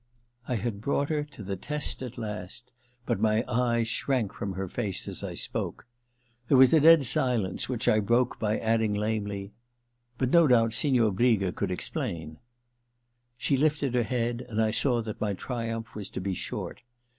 I had brought her to the test at last, but my eyes shrank from her face as I spoke. There was a dead silence, which I broke by adding II THE LETTER 257 lamely :* But no doubt Signor Briga could explain.' She lifted her head, and I saw that my triumph was to be short.